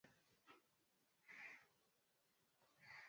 Mwani umebadilisha mtazamo machoni pa watu